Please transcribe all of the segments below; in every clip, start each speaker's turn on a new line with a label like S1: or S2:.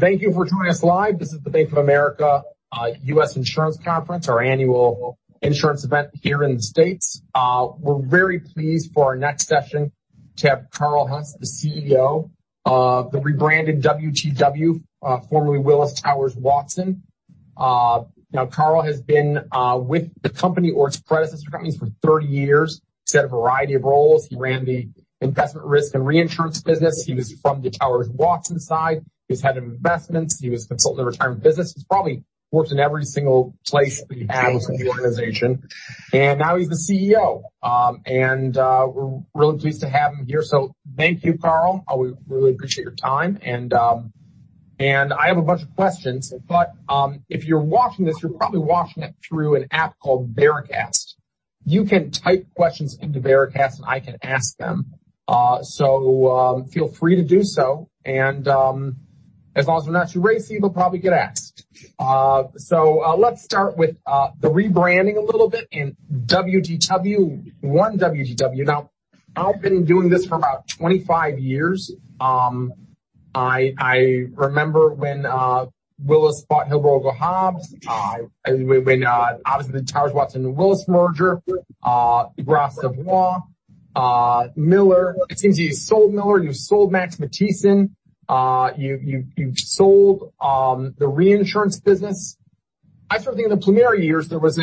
S1: Thank you for joining us live. This is the Bank of America U.S. Insurance Conference, our annual insurance event here in the States. We're very pleased for our next session to have Carl Hess, the CEO of the rebranded WTW, formerly Willis Towers Watson. Carl has been with the company or its predecessor companies for 30 years. He's had a variety of roles. He ran the investment risk and reinsurance business. He was from the Towers Watson side. He was head of investments, he was consultant to retirement business. He's probably worked in every single place that you have in the organization, and now he's the CEO. Thank you, Carl. We really appreciate your time. I have a bunch of questions, but if you're watching this, you're probably watching it through an app called Veracast. You can type questions into Veracast, and I can ask them. Feel free to do so, and as long as they're not too racy, they'll probably get asked. Let's start with the rebranding a little bit and WTW, one WTW. I've been doing this for about 25 years. I remember when Willis bought Hilb Rogal & Hobbs, when obviously the Towers Watson and Willis merger, Gras Savoye, Miller. It seems you sold Miller, and you've sold Max Matthiessen. You've sold the reinsurance business. I still think in the plenary years, there was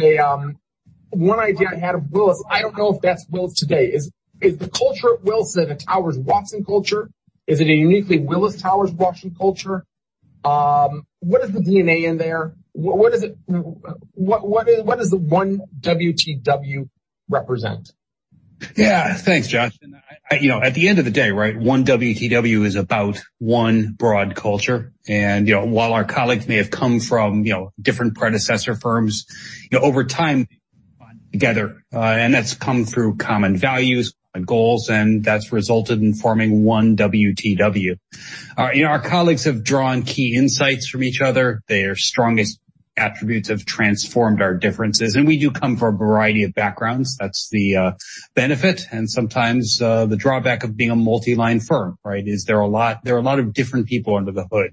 S1: one idea I had of Willis. I don't know if that's Willis today. Is the culture at Willis the Towers Watson culture? Is it a uniquely Willis Towers Watson culture? What is the DNA in there? What does the one WTW represent?
S2: Thanks, Josh. At the end of the day, one WTW is about one broad culture. While our colleagues may have come from different predecessor firms, over time together, and that's come through common values, common goals, and that's resulted in forming one WTW. Our colleagues have drawn key insights from each other. Their strongest attributes have transformed our differences, and we do come from a variety of backgrounds. That's the benefit and sometimes the drawback of being a multi-line firm, is there are a lot of different people under the hood.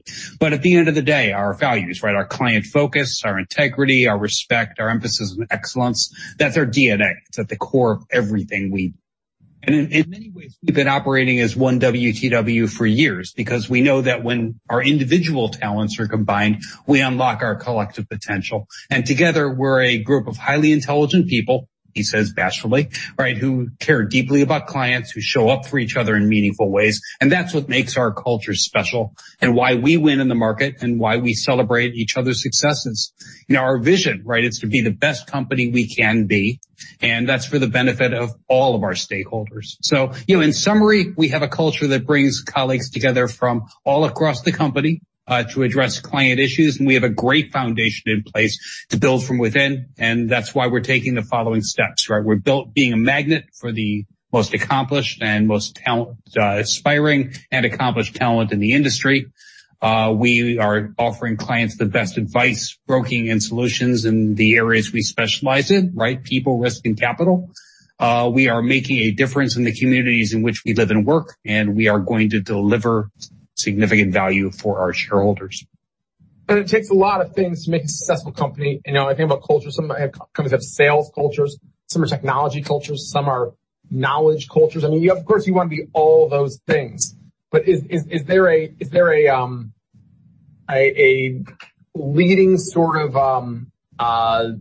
S2: At the end of the day, our values, our client focus, our integrity, our respect, our emphasis on excellence, that's our DNA. It's at the core of everything we do. In many ways, we've been operating as one WTW for years because we know that when our individual talents are combined, we unlock our collective potential. Together, we're a group of highly intelligent people, he says bashfully, who care deeply about clients, who show up for each other in meaningful ways, and that's what makes our culture special and why we win in the market and why we celebrate each other's successes. Our vision is to be the best company we can be, and that's for the benefit of all of our stakeholders. In summary, we have a culture that brings colleagues together from all across the company to address client issues, and we have a great foundation in place to build from within, and that's why we're taking the following steps. We're built being a magnet for the most accomplished and most talent, aspiring and accomplished talent in the industry. We are offering clients the best advice, broking, and solutions in the areas we specialize in. People, risk, and capital. We are making a difference in the communities in which we live and work, and we are going to deliver significant value for our shareholders.
S1: It takes a lot of things to make a successful company. I think about culture. Some companies have sales cultures, some are technology cultures, some are knowledge cultures. Of course, you want to be all those things. Is there a leading sort of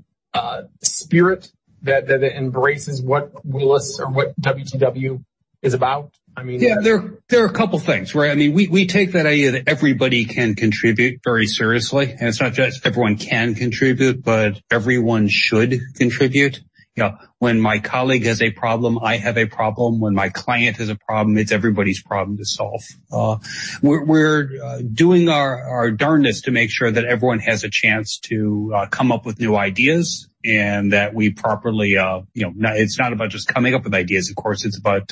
S1: spirit that embraces what Willis or what WTW is about?
S2: Yeah, there are a couple of things. We take that idea that everybody can contribute very seriously, and it's not just everyone can contribute, but everyone should contribute. When my colleague has a problem, I have a problem. When my client has a problem, it's everybody's problem to solve. We're doing our darnedest to make sure that everyone has a chance to come up with new ideas and that we properly. It's not about just coming up with ideas, of course, it's about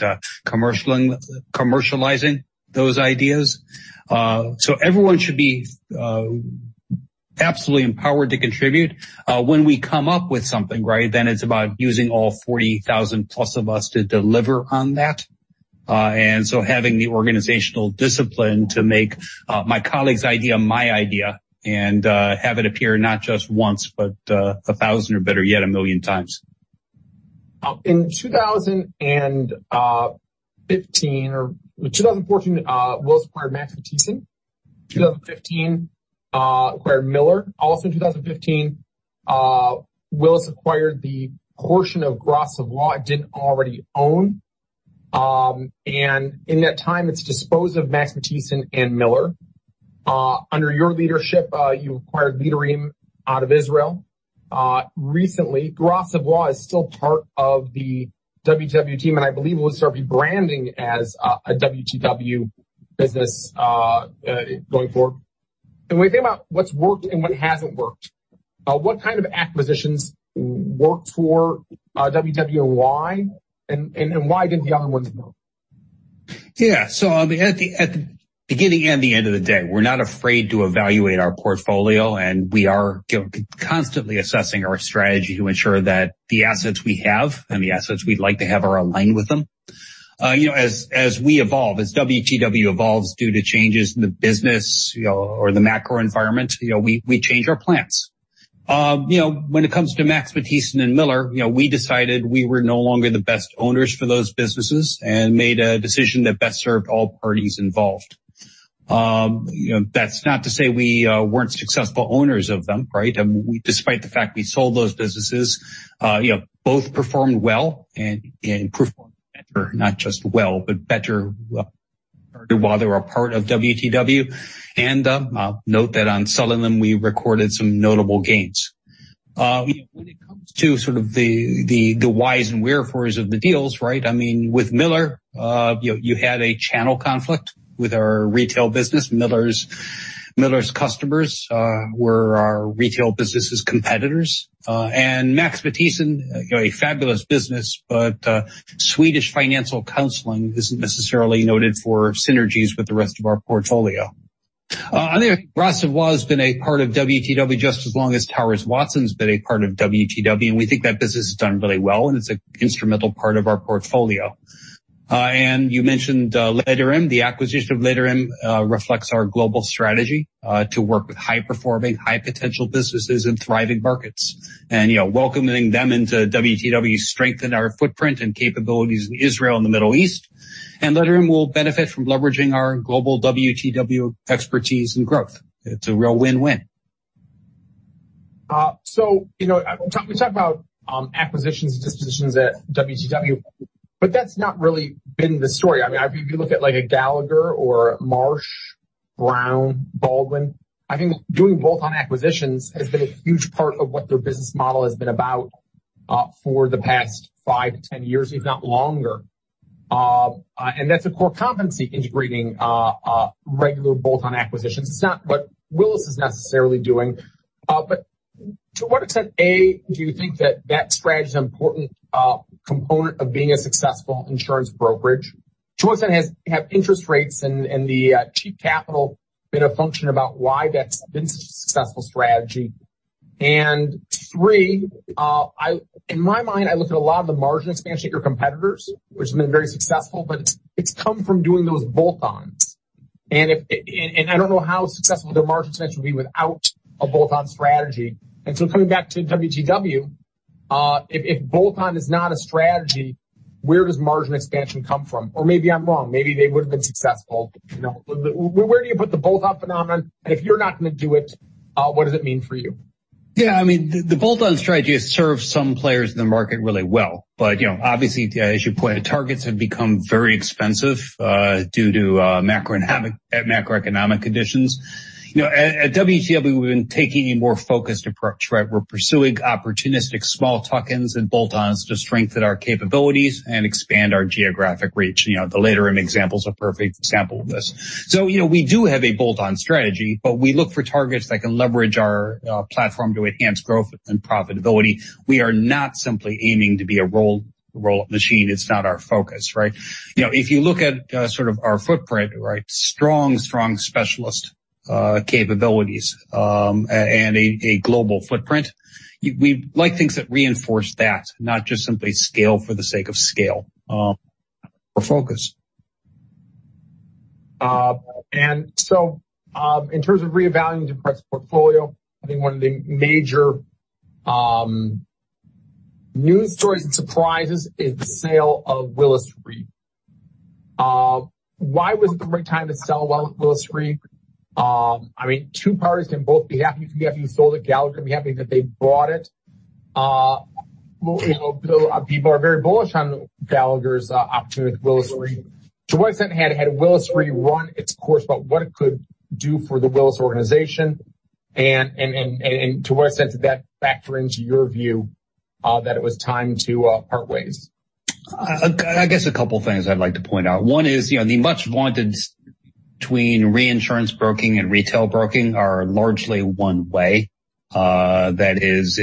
S2: commercializing those ideas. Everyone should be absolutely empowered to contribute. When we come up with something, then it's about using all 40,000 plus of us to deliver on that. So having the organizational discipline to make my colleague's idea my idea and have it appear not just once, but 1,000 or better yet, 1 million times.
S1: In 2015 or 2014, Willis acquired Max Matthiessen. In 2015, Willis acquired Miller. Also in 2015, Willis acquired the portion of Gras Savoye it didn't already own. In that time, it's disposed of Max Matthiessen and Miller. Under your leadership, you acquired Leaderim out of Israel. Recently, Gras Savoye is still part of the WTW team, and I believe Willis started rebranding as a WTW business going forward. When you think about what's worked and what hasn't worked, what kind of acquisitions worked for WTW and why? Why didn't the other ones work?
S2: At the beginning and the end of the day, we're not afraid to evaluate our portfolio, and we are constantly assessing our strategy to ensure that the assets we have and the assets we'd like to have are aligned with them. As we evolve, as WTW evolves due to changes in the business or the macro environment, we change our plans. When it comes to Max Matthiessen and Miller, we decided we were no longer the best owners for those businesses and made a decision that best served all parties involved. That's not to say we weren't successful owners of them, right? Despite the fact we sold those businesses, both performed well and performed better, not just well, but better while they were a part of WTW. I'll note that on selling them, we recorded some notable gains. When it comes to sort of the whys and wherefores of the deals, right? With Miller, you had a channel conflict with our retail business. Miller's customers were our retail business' competitors. Max Matthiessen, a fabulous business, but Swedish financial counseling isn't necessarily noted for synergies with the rest of our portfolio. On the other hand, Gras Savoye has been a part of WTW just as long as Towers Watson's been a part of WTW, and we think that business has done really well, and it's an instrumental part of our portfolio. You mentioned Leaderim. The acquisition of Leaderim reflects our global strategy to work with high-performing, high-potential businesses in thriving markets. Welcoming them into WTW strengthened our footprint and capabilities in Israel and the Middle East. Leaderim will benefit from leveraging our global WTW expertise and growth. It's a real win-win.
S1: We talk about acquisitions and dispositions at WTW, but that's not really been the story. If you look at like a Gallagher or Marsh, [Brown & Brown], I think doing bolt-on acquisitions has been a huge part of what their business model has been about for the past 5 to 10 years, if not longer. That's a core competency, integrating regular bolt-on acquisitions. It's not what Willis is necessarily doing. To what extent, A, do you think that that strategy is an important component of being a successful insurance brokerage? To what extent have interest rates and the cheap capital been a function about why that's been such a successful strategy? Three, in my mind, I look at a lot of the margin expansion at your competitors, which has been very successful, but it's come from doing those bolt-ons. I don't know how successful their margin expansion would be without a bolt-on strategy. Coming back to WTW, if bolt-on is not a strategy, where does margin expansion come from? Maybe I'm wrong, maybe they would've been successful. Where do you put the bolt-on phenomenon? If you're not going to do it, what does it mean for you?
S2: The bolt-on strategy has served some players in the market really well. Obviously, as you pointed, targets have become very expensive due to macroeconomic conditions. At WTW, we've been taking a more focused approach. We're pursuing opportunistic small tuck-ins and bolt-ons to strengthen our capabilities and expand our geographic reach. The Leaderim example is a perfect example of this. We do have a bolt-on strategy, but we look for targets that can leverage our platform to enhance growth and profitability. We are not simply aiming to be a roll-up machine. It's not our focus. If you look at sort of our footprint? Strong specialist capabilities, and a global footprint. We like things that reinforce that, not just simply scale for the sake of scale or focus.
S1: In terms of reevaluating the price portfolio, I think one of the major news stories and surprises is the sale of Willis Re. Why was it the right time to sell Willis Re? Two parties can both be happy. You can be happy you sold it, Gallagher can be happy that they bought it. People are very bullish on Gallagher's opportunity with Willis Re. To what extent had Willis Re run its course about what it could do for the Willis organization? To what extent did that factor into your view that it was time to part ways?
S2: A couple things I'd like to point out. One is, the much vaunted between reinsurance broking and retail broking are largely one way. That is,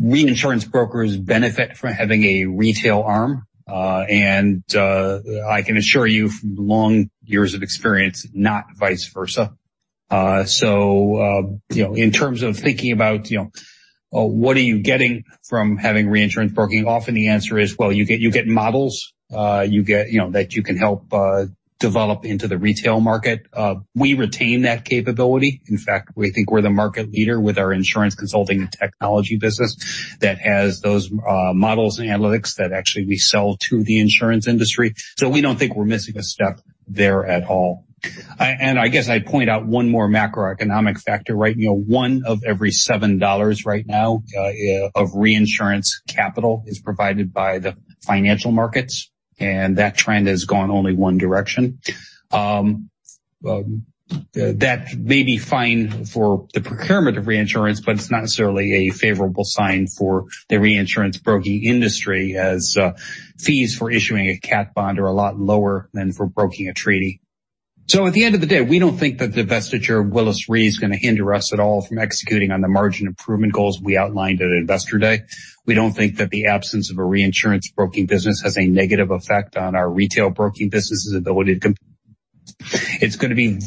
S2: reinsurance brokers benefit from having a retail arm, and I can assure you from long years of experience, not vice versa. In terms of thinking about, what are you getting from having reinsurance broking? Often the answer is, you get models that you can help develop into the retail market. We retain that capability. In fact, we think we're the market leader with our Insurance Consulting & Technology business that has those models and analytics that actually we sell to the insurance industry. We don't think we're missing a step there at all. I'd point out one more macroeconomic factor. One of every $7 right now of reinsurance capital is provided by the financial markets, and that trend has gone only one direction. That may be fine for the procurement of reinsurance, it's not necessarily a favorable sign for the reinsurance broking industry, as fees for issuing a cat bond are a lot lower than for broking a treaty. At the end of the day, we don't think that the divestiture of Willis Re is going to hinder us at all from executing on the margin improvement goals we outlined at Investor Day. We don't think that the absence of a reinsurance broking business has a negative effect on our retail broking business' ability to compete it's going to be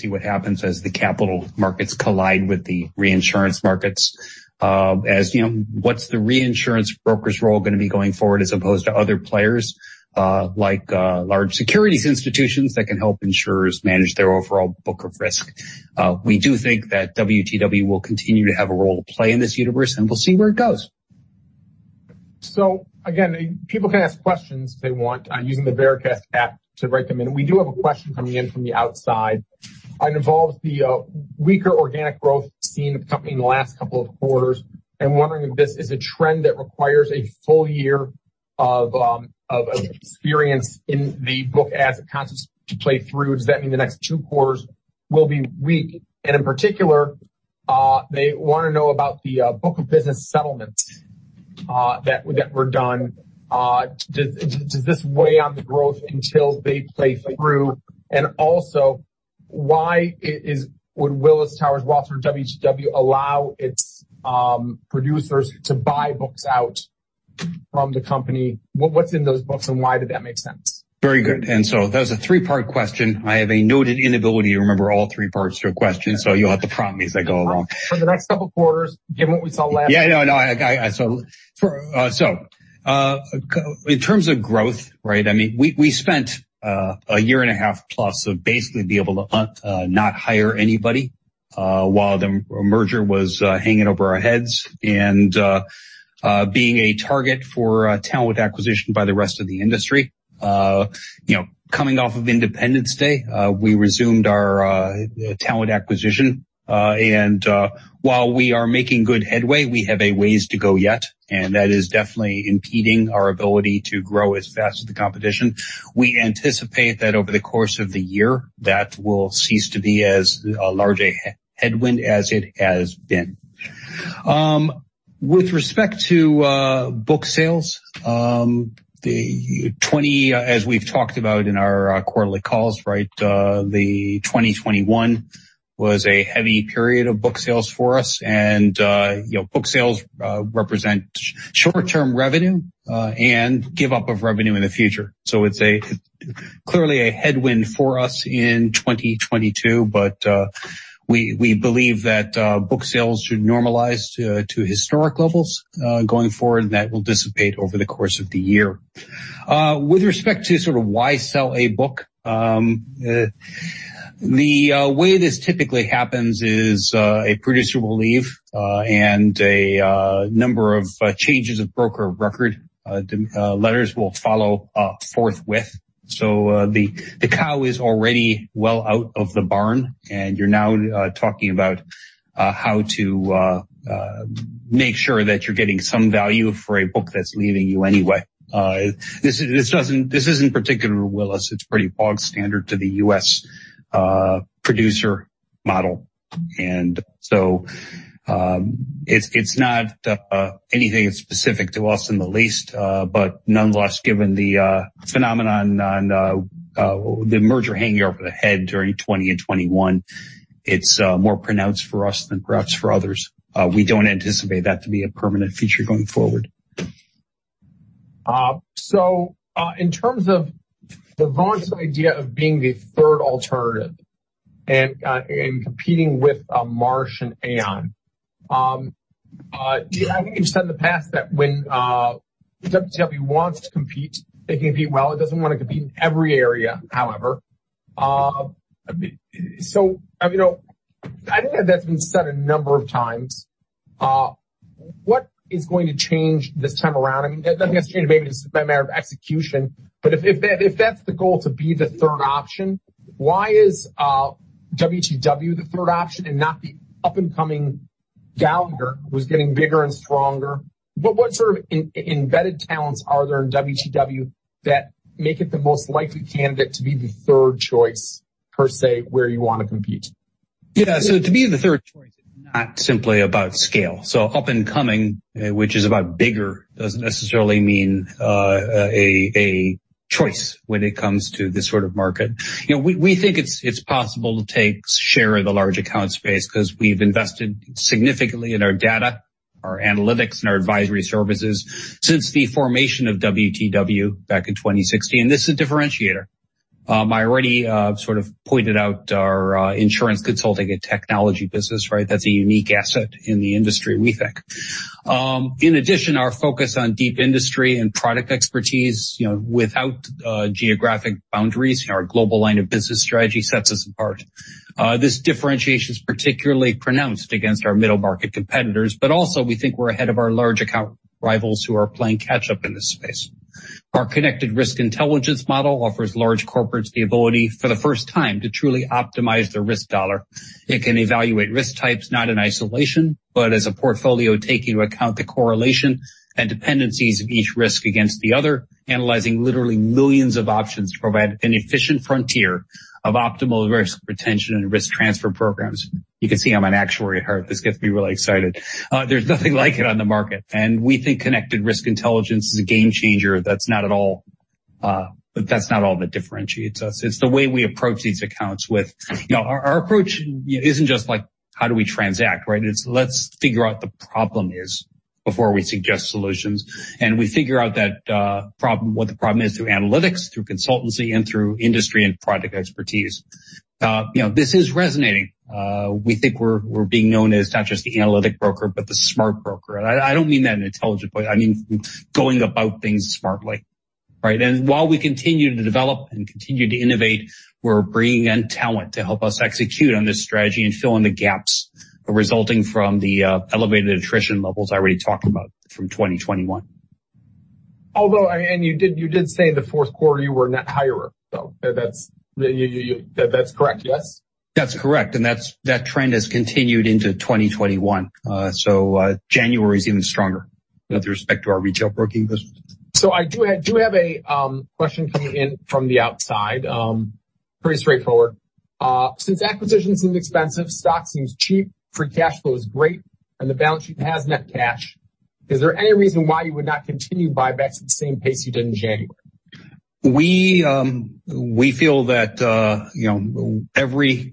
S2: [inaudible] what happens as the capital markets collide with the reinsurance markets. What's the reinsurance broker's role going to be going forward as opposed to other players, like large securities institutions that can help insurers manage their overall book of risk? We do think that WTW will continue to have a role to play in this universe, and we'll see where it goes.
S1: Again, people can ask questions they want using the Veracast app to write them in. We do have a question coming in from the outside. It involves the weaker organic growth seen in the company in the last couple of quarters and wondering if this is a trend that requires a full year of experience in the book as it continues to play through. Does that mean the next two quarters will be weak? In particular, they want to know about the book of business settlements that were done. Does this weigh on the growth until they play through? Also, why would Willis Towers Watson, WTW, allow its producers to buy books out from the company? What's in those books, and why did that make sense?
S2: Very good. That was a three-part question. I have a noted inability to remember all three parts to a question, so you'll have to prompt me as I go along.
S1: For the next couple of quarters, given what we saw last-
S2: In terms of growth, right, we spent a year and a half plus of basically being able to not hire anybody while the merger was hanging over our heads and being a target for talent acquisition by the rest of the industry. Coming off of Independence Day, we resumed our talent acquisition, and while we are making good headway, we have a ways to go yet, and that is definitely impeding our ability to grow as fast as the competition. We anticipate that over the course of the year, that will cease to be as large a headwind as it has been. With respect to book sales, as we've talked about in our quarterly calls, right? 2021 was a heavy period of book sales for us, and book sales represent short-term revenue and give up of revenue in the future. It's clearly a headwind for us in 2022, but we believe that book sales should normalize to historic levels going forward, and that will dissipate over the course of the year. With respect to sort of why sell a book, the way this typically happens is a producer will leave, and a number of changes of broker of record letters will follow forthwith. The cow is already well out of the barn, and you're now talking about how to make sure that you're getting some value for a book that's leaving you anyway. This isn't particular to Willis. It's pretty bog standard to the U.S. producer model. It's not anything that's specific to us in the least. Nonetheless, given the phenomenon and the merger hanging over the head during 2020 and 2022, it's more pronounced for us than perhaps for others. We don't anticipate that to be a permanent feature going forward.
S1: In terms of the concept idea of being the third alternative and competing with Marsh & Aon, I think you've said in the past that when WTW wants to compete, it can compete well. It doesn't want to compete in every area, however. I think that's been said a number of times. What is going to change this time around? I'm not going to say maybe this is by matter of execution, but if that's the goal to be the third option, why is WTW the third option and not the up-and-coming Gallagher, who's getting bigger and stronger? What sort of embedded talents are there in WTW that make it the most likely candidate to be the third choice, per se, where you want to compete?
S2: To be the third choice, it's not simply about scale. Up and coming, which is about bigger, doesn't necessarily mean a choice when it comes to this sort of market. We think it's possible to take share of the large account space because we've invested significantly in our data, our analytics, and our advisory services since the formation of WTW back in 2016. This is a differentiator. I already sort of pointed out our Insurance Consulting & Technology business, right? That's a unique asset in the industry, we think. In addition, our focus on deep industry and product expertise without geographic boundaries, our global line of business strategy sets us apart. This differentiation is particularly pronounced against our middle-market competitors. Also we think we're ahead of our large account rivals who are playing catch up in this space. Our Connected Risk Intelligence model offers large corporates the ability, for the first time, to truly optimize their risk dollar. It can evaluate risk types not in isolation, but as a portfolio, taking into account the correlation and dependencies of each risk against the other, analyzing literally millions of options to provide an efficient frontier of optimal risk retention and risk transfer programs. You can see I'm an actuary at heart. This gets me really excited. There's nothing like it on the market. We think Connected Risk Intelligence is a game changer. That's not all that differentiates us. Our approach isn't just like, how do we transact, right? It's let's figure out the problem is Before we suggest solutions. We figure out what the problem is through analytics, through consultancy, and through industry and product expertise. This is resonating. We think we're being known as not just the analytic broker but the smart broker. I don't mean that in an intelligent way, I mean going about things smartly, right? While we continue to develop and continue to innovate, we're bringing in talent to help us execute on this strategy and fill in the gaps resulting from the elevated attrition levels I already talked about from 2021.
S1: Although, you did say in the fourth quarter you were net hirer, though. That's correct, yes?
S2: That's correct. That trend has continued into 2021. January is even stronger with respect to our retail broking business.
S1: I do have a question coming in from the outside. Pretty straightforward. Since acquisition seems expensive, stock seems cheap, free cash flow is great, and the balance sheet has net cash, is there any reason why you would not continue buybacks at the same pace you did in January?
S2: We feel that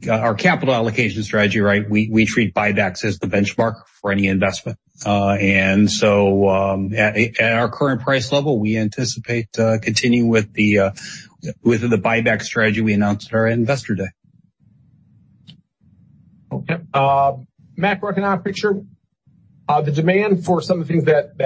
S2: our capital allocation strategy, we treat buybacks as the benchmark for any investment. At our current price level, we anticipate continuing with the buyback strategy we announced at our Investor Day.
S1: Okay. Macroeconomic picture, the demand for some of the things that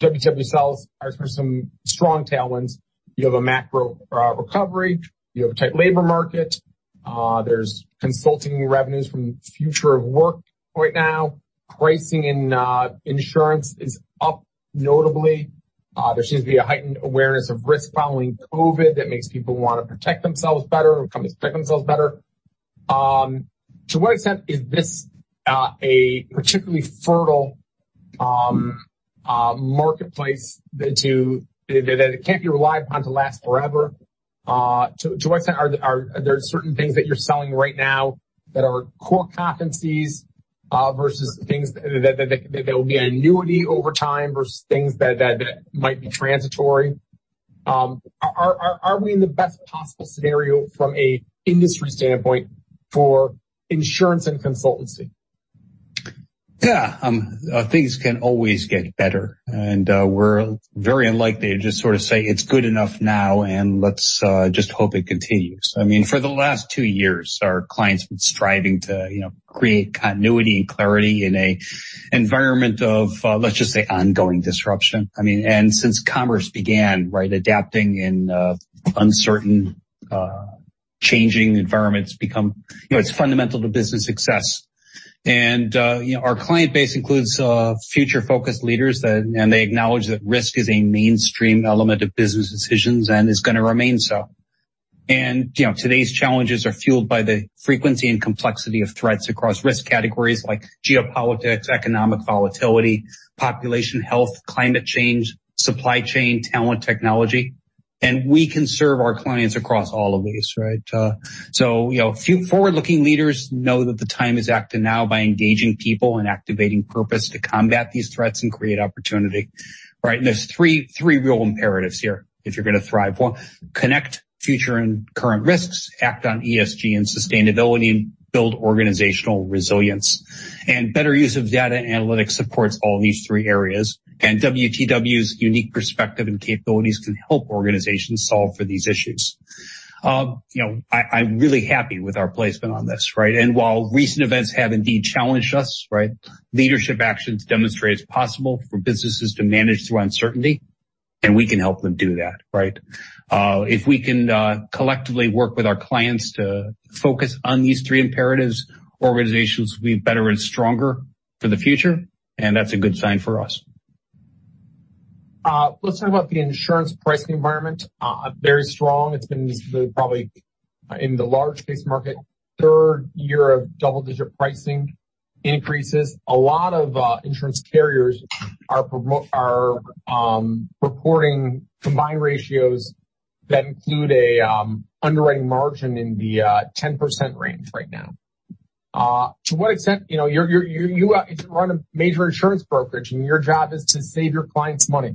S1: WTW sells are some strong tailwinds. You have a macro recovery. You have a tight labor market. There's consulting revenues from future of work right now. Pricing in insurance is up notably. There seems to be a heightened awareness of risk following COVID that makes people want to protect themselves better or [inspect themselves better]. To what extent is this a particularly fertile marketplace that can't be relied upon to last forever? To what extent are there certain things that you're selling right now that are core competencies versus things that there will be an annuity over time versus things that might be transitory? Are we in the best possible scenario from a industry standpoint for insurance and consultancy?
S2: Yeah. Things can always get better. We're very unlikely to just sort of say, "It's good enough now, and let's just hope it continues." I mean, for the last two years, our clients have been striving to create continuity and clarity in a environment of, let's just say, ongoing disruption. I mean, since commerce began, adapting in uncertain changing environments become-- it's fundamental to business success. Our client base includes future-focused leaders. They acknowledge that risk is a mainstream element of business decisions and is going to remain so. Today's challenges are fueled by the frequency and complexity of threats across risk categories like geopolitics, economic volatility, population health, climate change, supply chain, talent, technology. We can serve our clients across all of these, right? Forward-looking leaders know that the time is acting now by engaging people and activating purpose to combat these threats and create opportunity, right? There's three real imperatives here if you're going to thrive. One, connect future and current risks, act on ESG and sustainability, and build organizational resilience. Better use of data analytics supports all these three areas. WTW's unique perspective and capabilities can help organizations solve for these issues. I'm really happy with our placement on this, right? While recent events have indeed challenged us, right, leadership actions demonstrate it's possible for businesses to manage through uncertainty. We can help them do that, right? If we can collectively work with our clients to focus on these three imperatives, organizations will be better and stronger for the future, and that's a good sign for us.
S1: Let's talk about the insurance pricing environment. Very strong. It's been probably in the large space market, third year of double-digit pricing increases. A lot of insurance carriers are reporting combined ratios that include a underwriting margin in the 10% range right now. If you run a major insurance brokerage and your job is to save your clients money,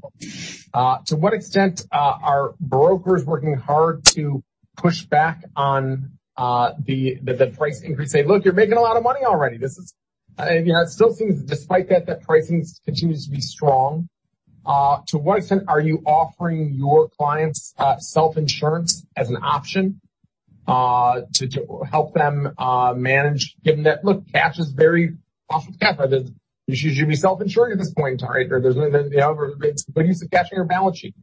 S1: to what extent are brokers working hard to push back on the price increase? Say, "Look, you're making a lot of money already." It still seems that despite that pricing continues to be strong. To what extent are you offering your clients self-insurance as an option to help them manage, given that, look, cash is [very, very strong] and you should be self-insuring at this point, right? There's no use of cash on your balance sheet.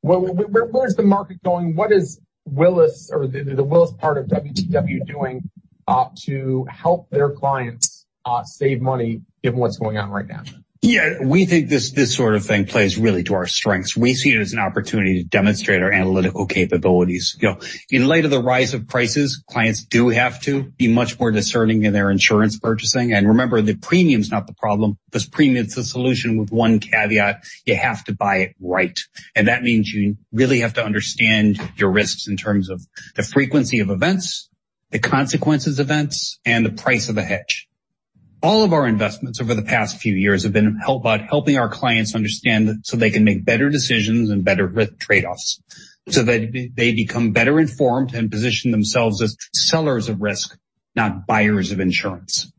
S1: Where is the market going? What is the Willis part of WTW doing to help their clients save money given what's going on right now?
S2: Yeah. We think this sort of thing plays really to our strengths. We see it as an opportunity to demonstrate our analytical capabilities. In light of the rise of prices, clients do have to be much more discerning in their insurance purchasing. Remember, the premium's not the problem. This premium's the solution with one caveat, you have to buy it right. That means you really have to understand your risks in terms of the frequency of events, the consequences of events, and the price of a hedge. All of our investments over the past few years have been about helping our clients understand so they can make better decisions and better risk trade-offs. That they become better informed and position themselves as sellers of risk, not buyers of insurance.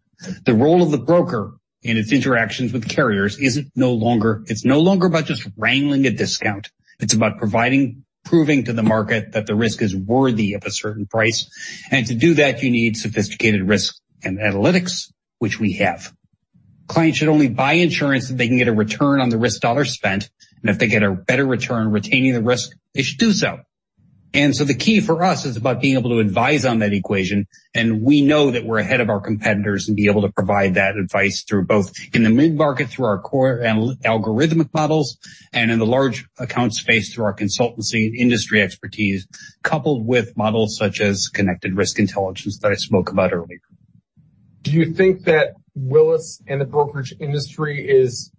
S2: The role of the broker in its interactions with carriers it's no longer about just wrangling a discount. It's about proving to the market that the risk is worthy of a certain price, to do that, you need sophisticated risk and analytics, which we have. Clients should only buy insurance if they can get a return on the risk dollar spent, if they get a better return retaining the risk, they should do so. The key for us is about being able to advise on that equation, we know that we're ahead of our competitors and be able to provide that advice through both in the mid-market, through our core algorithmic models, and in the large account space through our consultancy and industry expertise, coupled with models such as Connected Risk Intelligence that I spoke about earlier.
S1: Do you think that Willis and the brokerage industry is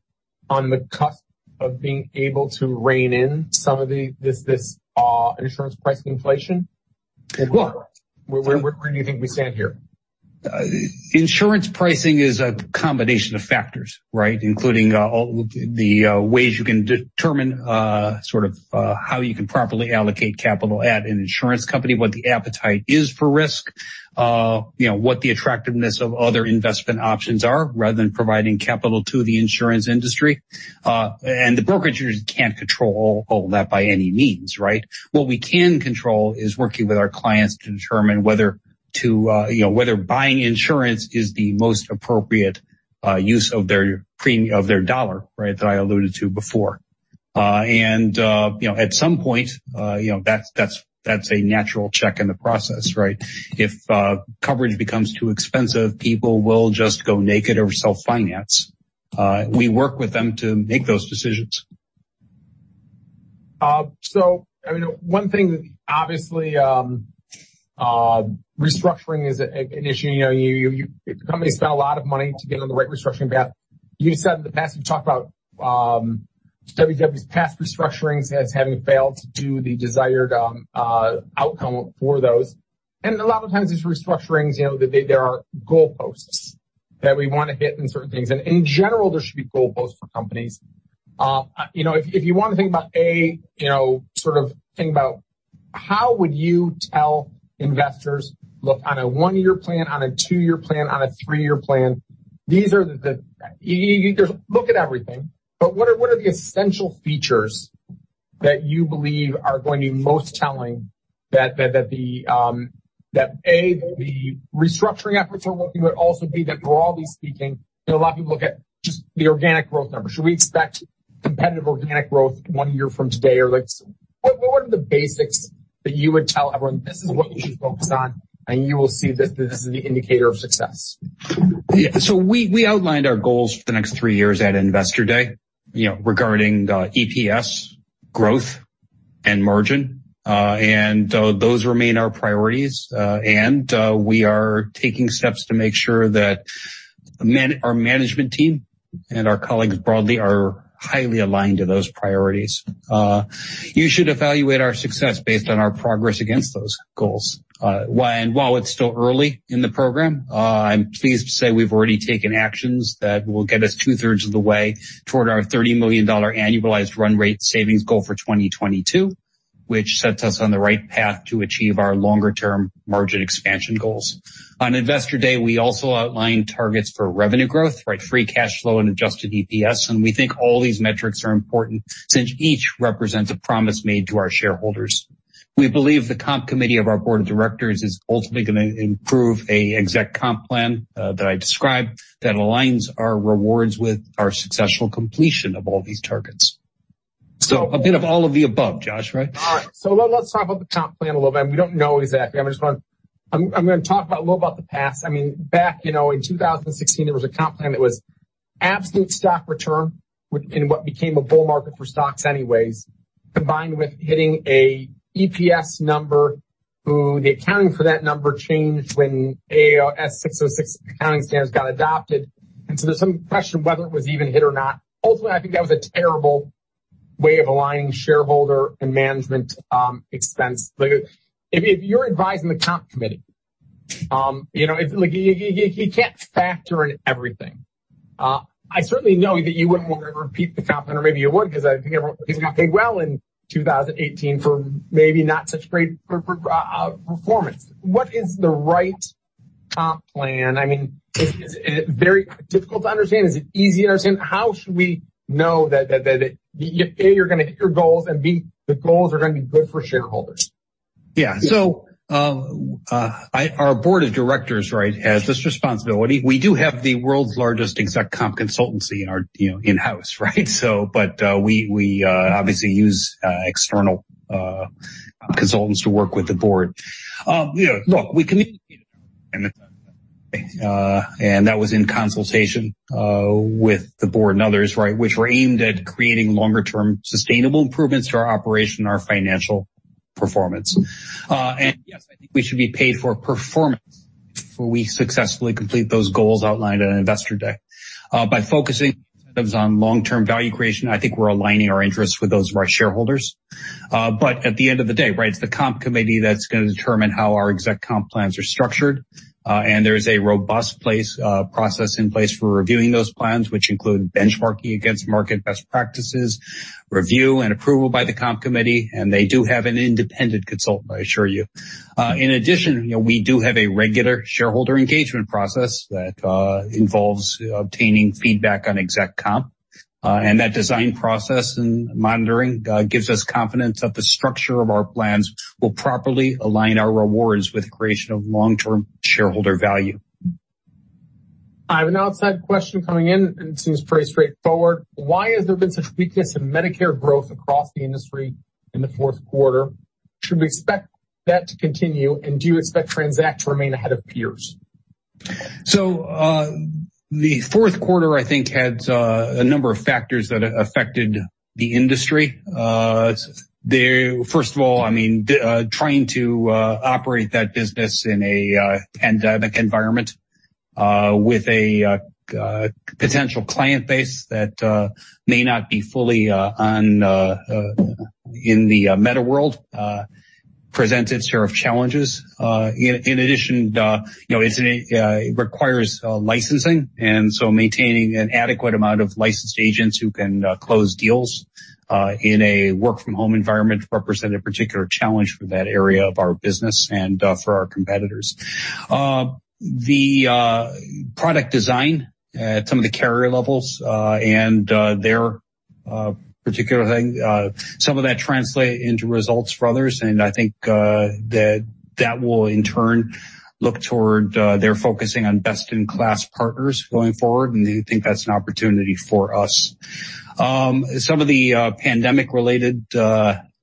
S1: on the cusp of being able to rein in some of this insurance price inflation?
S2: Well-
S1: Where do you think we stand here?
S2: Insurance pricing is a combination of factors, right? Including all the ways you can determine sort of how you can properly allocate capital at an insurance company, what the appetite is for risk, what the attractiveness of other investment options are, rather than providing capital to the insurance industry. The brokerages can't control all that by any means, right? What we can control is working with our clients to determine whether buying insurance is the most appropriate use of their dollar, that I alluded to before. At some point, that's a natural check in the process, right? If coverage becomes too expensive, people will just go naked or self-finance. We work with them to make those decisions.
S1: One thing that obviously, restructuring is an issue. Companies spend a lot of money to get on the right restructuring path. You said in the past, you talked about WTW's past restructurings as having failed to do the desired outcome for those. A lot of times, these restructurings, there are goalposts that we want to hit and certain things, in general, there should be goalposts for companies. If you want to think about, A, sort of think about how would you tell investors, look, on a one-year plan, on a two-year plan, on a three-year plan, look at everything, but what are the essential features that you believe are going to be most telling that, A, the restructuring efforts are working, but also, B, that broadly speaking, a lot of people look at just the organic growth numbers. Should we expect competitive organic growth one year from today? What are the basics that you would tell everyone, "This is what you should focus on, and you will see this is the indicator of success"?
S2: We outlined our goals for the next three years at Investor Day regarding EPS growth and margin. Those remain our priorities, and we are taking steps to make sure that our management team and our colleagues broadly are highly aligned to those priorities. You should evaluate our success based on our progress against those goals. While it's still early in the program, I'm pleased to say we've already taken actions that will get us two-thirds of the way toward our $30 million annualized run rate savings goal for 2022, which sets us on the right path to achieve our longer-term margin expansion goals. On Investor Day, we also outlined targets for revenue growth, free cash flow, and adjusted EPS, we think all these metrics are important since each represents a promise made to our shareholders. We believe the comp committee of our board of directors is ultimately going to improve an exec comp plan that I described that aligns our rewards with our successful completion of all these targets. A bit of all of the above, Josh, right?
S1: All right. Let's talk about the comp plan a little bit. We don't know exactly. I'm going to talk a little about the past. Back in 2016, there was a comp plan that was absolute stock return in what became a bull market for stocks anyways, combined with hitting an EPS number when the accounting for that number changed when ASC 606 accounting standards got adopted, and there's some question whether it was even hit or not. Ultimately, I think that was a terrible way of aligning shareholder and management [expense]. If you're advising the comp committee, you can't factor in everything. I certainly know that you wouldn't want to repeat the comp, or maybe you would because I think everyone got paid well in 2018 for maybe not such great performance. What is the right comp plan? Is it very difficult to understand? Is it easy to understand? How should we know that, A, you're going to hit your goals, and B, the goals are going to be good for shareholders?
S2: Yeah. Our board of directors has this responsibility. We do have the world's largest exec comp consultancy in-house. We obviously use external consultants to work with the board. Look, we communicated and that was in consultation with the board and others which were aimed at creating longer-term sustainable improvements to our operation and our financial performance. Yes, I think we should be paid for performance if we successfully complete those goals outlined at Investor Day. At the end of the day, it's the comp committee that's going to determine how our exec comp plans are structured. There is a robust process in place for reviewing those plans, which include benchmarking against market best practices, review, and approval by the comp committee, and they do have an independent consultant, I assure you. In addition, we do have a regular shareholder engagement process that involves obtaining feedback on exec comp. That design process and monitoring gives us confidence that the structure of our plans will properly align our rewards with the creation of long-term shareholder value.
S1: I have an outside question coming in, and it seems pretty straightforward. Why has there been such weakness in Medicare growth across the industry in the fourth quarter? Should we expect that to continue, and do you expect TRANZACT to remain ahead of peers?
S2: The fourth quarter, I think, had a number of factors that affected the industry. First of all, trying to operate that business in a pandemic environment with a potential client base that may not be fully in the meta world presented a share of challenges. In addition, it requires licensing, maintaining an adequate amount of licensed agents who can close deals in a work from home environment represented a particular challenge for that area of our business and for our competitors. The product design at some of the carrier levels and their particular, [inaudible] some of that translate into results for others, I think that will in turn look toward their focusing on best in class partners going forward, and we think that's an opportunity for us. Some of the pandemic related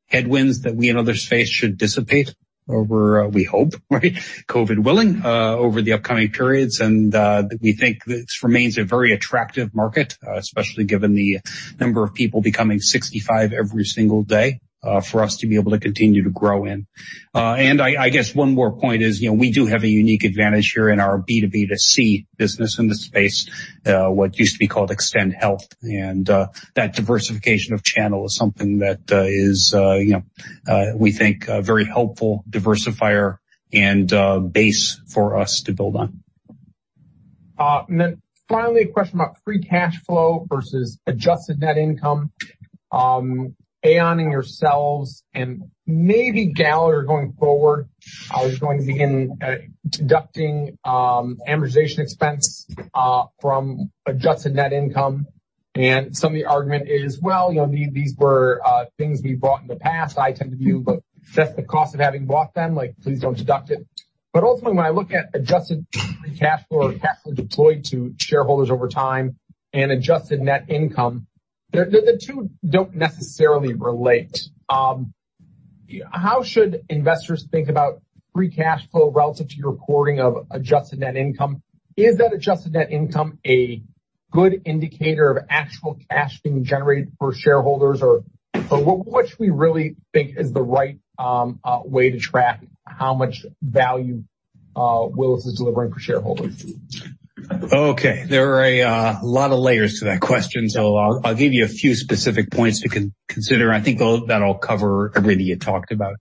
S2: headwinds that we and others face should dissipate over, we hope, COVID willing, over the upcoming periods. We think this remains a very attractive market, especially given the number of people becoming 65 every single day, for us to be able to continue to grow in. I guess one more point is we do have a unique advantage here in our B2B2C business in the space, what used to be called Extend Health. That diversification of channel is something that is we think a very helpful diversifier and base for us to build on.
S1: Finally, a question about free cash flow versus adjusted net income. Aon and yourselves and maybe Gallagher going forward are going to begin deducting amortization expense from adjusted net income. Some of the argument is, these were things we bought in the past. I tend to view, that's the cost of having bought them, please don't deduct it. Ultimately, when I look at adjusted free cash flow or cash flow deployed to shareholders over time and adjusted net income, the two don't necessarily relate. How should investors think about free cash flow relative to your reporting of adjusted net income? Is that adjusted net income a good indicator of actual cash being generated for shareholders? What should we really think is the right way to track how much value Willis is delivering for shareholders?
S2: There are a lot of layers to that question. I'll give you a few specific points to consider. I think that'll cover everything you talked about.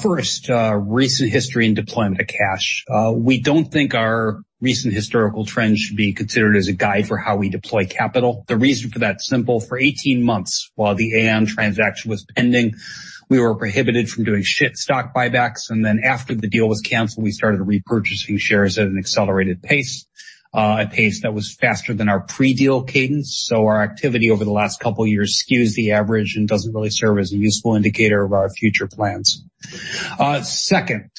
S2: First, recent history and deployment of cash. We don't think our recent historical trends should be considered as a guide for how we deploy capital. The reason for that's simple. For 18 months while the Aon transaction was pending, we were prohibited from doing stock buybacks. After the deal was canceled, we started repurchasing shares at an accelerated pace, a pace that was faster than our pre-deal cadence. Our activity over the last couple of years skews the average and doesn't really serve as a useful indicator of our future plans. Second,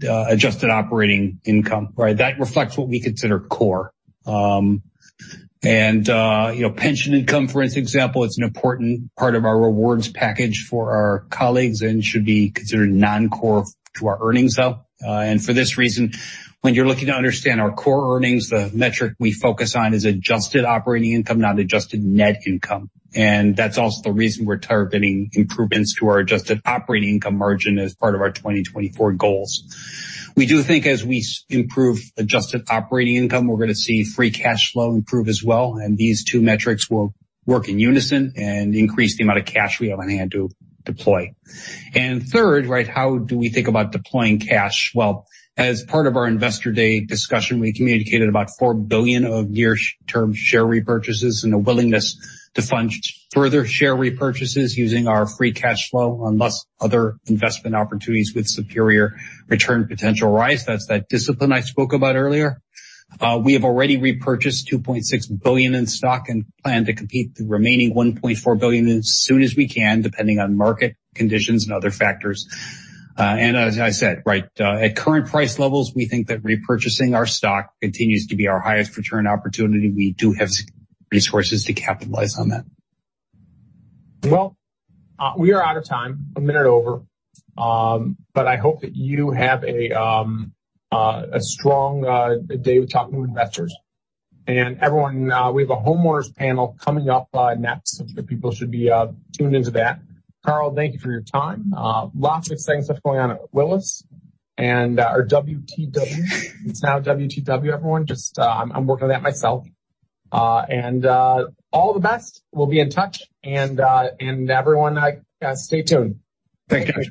S2: adjusted operating income. That reflects what we consider core. Pension income, for example, it's an important part of our rewards package for our colleagues and should be considered non-core to our earnings. For this reason, when you're looking to understand our core earnings, the metric we focus on is adjusted operating income, not adjusted net income. That's also the reason we're targeting improvements to our adjusted operating income margin as part of our 2024 goals. We do think as we improve adjusted operating income, we're going to see free cash flow improve as well. These two metrics will work in unison and increase the amount of cash we have on hand to deploy. Third, how do we think about deploying cash? As part of our Investor Day discussion, we communicated about $4 billion of near term share repurchases and a willingness to fund further share repurchases using our free cash flow unless other investment opportunities with superior return potential rise. That's that discipline I spoke about earlier. We have already repurchased $2.6 billion in stock and plan to complete the remaining $1.4 billion as soon as we can, depending on market conditions and other factors. As I said, at current price levels, we think that repurchasing our stock continues to be our highest return opportunity. We do have resources to capitalize on that.
S1: We are out of time, one minute over. I hope that you have a strong day with talking to investors. Everyone, we have a homeowners panel coming up next, people should be tuned into that. Carl, thank you for your time. Lots of exciting stuff going on at Willis and our WTW. It's now WTW, everyone. I'm working on that myself. All the best. We'll be in touch. Everyone stay tuned.
S2: Thank you.